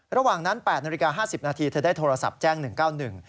ระหว่างนั้น๘นาฬิกา๕๐นาทีเธอได้โทรศัพท์แจ้ง๑๙๑